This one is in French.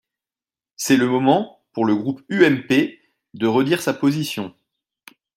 C’est le moment, pour le groupe UMP, de redire sa position.